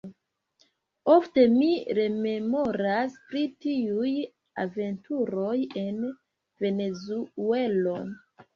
Ofte mi rememoras pri tiuj aventuroj en Venezuelo.